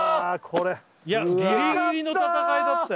いやギリギリの戦いだったよ